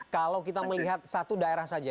kalau kita melihat satu daerah saja